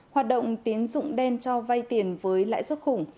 hoạt động tiến dụng đen cho vay tiền với lãi suất khủng